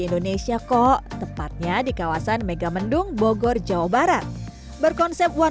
indonesia kok tepatnya di kawasan megamendung bogor jawa barat berkonsep one